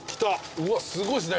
うわっすごいっすね。